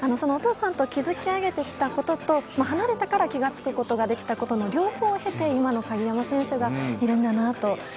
お父さんと築き上げてきたことと離れたから気がつくことができたことの両方を経て今の鍵山選手がいるんだなと。